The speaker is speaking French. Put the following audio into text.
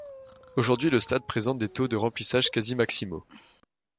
Aujourd'hui le stade présente des taux de remplissage quasi maximaux.